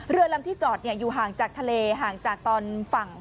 เรือลำที่จอดอยู่ห่างจากทะเลห่างจากตอนฝั่ง